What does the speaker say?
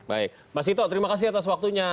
baik mas ito terima kasih atas waktunya